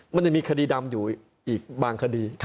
มันยังมีคดีดำอยู่อีกบางคดี